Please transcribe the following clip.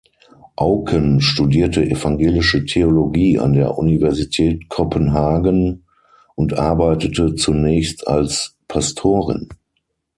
Auken studierte Evangelische Theologie an der Universität Kopenhagen und arbeitete zunächst als Pastorin.